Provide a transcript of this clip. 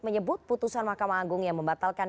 menyebut putusan mahkamah agung yang membatalkan